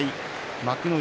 幕内